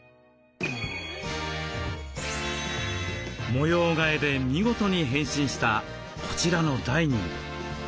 模様替えで見事に変身したこちらのダイニング。